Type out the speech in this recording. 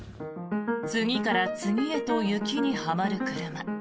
次から次へと雪にはまる車。